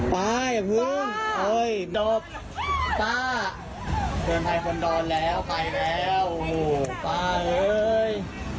ไปพี่โดบป้าเพื่อนไทยคนโดนแล้วไปแล้วป้าเลย